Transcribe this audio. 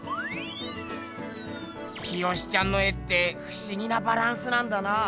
清ちゃんの絵ってふしぎなバランスなんだな。